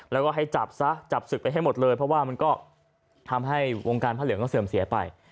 แล้วก็ให้จับซะจับศึกไปให้หมดเลยเพราะว่ามันก็ทำให้วงการพระเหลืองก็เสื่อมเสียไป